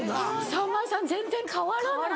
さんまさん全然変わらない。